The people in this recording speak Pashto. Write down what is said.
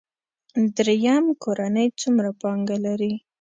دریم کورنۍ څومره پانګه لري.